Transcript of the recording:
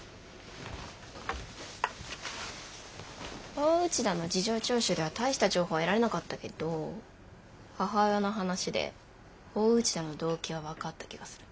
大内田の事情聴取では大した情報得られなかったけど母親の話で大内田の動機は分かった気がする。